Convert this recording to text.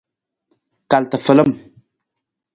Kal tafalam.